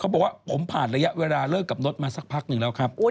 บอกว่าผมผ่านระยะเวลาเลิกกับนดมาสักพักหนึ่งแล้วครับ